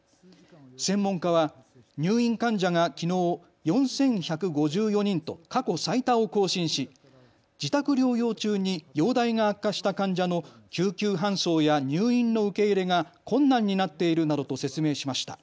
専門家は入院患者がきのう４１５４人と過去最多を更新し自宅療養中に容体が悪化した患者の救急搬送や入院の受け入れが困難になっているなどと説明しました。